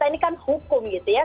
dan mengajarkan hukum gitu ya